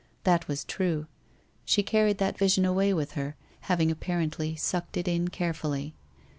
That was true. She carried that vision away with her, having apparently sucked it in carefully.